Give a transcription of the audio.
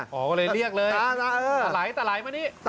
อ๋อก็เลยเรียกเลยตาเออหลายมานี่